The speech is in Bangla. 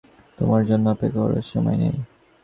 তোমার জন্য অপেক্ষা করার সময় নেই।